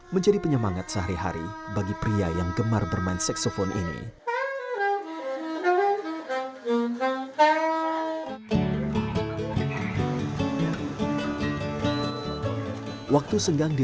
menjadi penyemangat sehari hari bagi pria yang gemar bermain seksofon ini